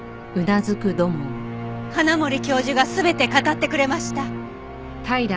花森教授が全て語ってくれました。